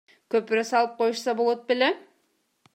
Көпүрө салып коюшса болот беле?